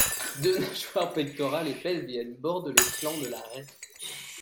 Deux nageoires pectorales et pelviennes bordent les flancs de la raie.